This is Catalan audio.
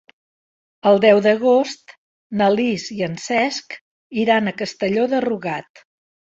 El deu d'agost na Lis i en Cesc iran a Castelló de Rugat.